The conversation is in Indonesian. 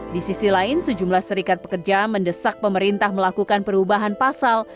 di sisi lain sejumlah serikat pekerja mendesak pemerintah melakukan perubahan pasal